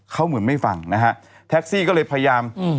เขาเหมือนไม่ฟังนะฮะแท็กซี่ก็เลยพยายามอืม